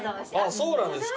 そうなんですか。